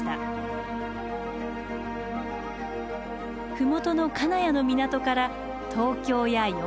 麓の金谷の港から東京や横浜へ。